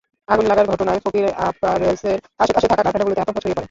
আগুন লাগার ঘটনায় ফকির অ্যাপারেলসের আশপাশে থাকা কারখানাগুলোতে আতঙ্ক ছড়িয়ে পড়ে।